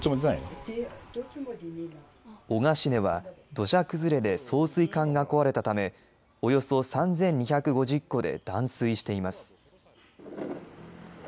男鹿市では土砂崩れで送水管が壊れたためおよそ３２５０戸で断水しています。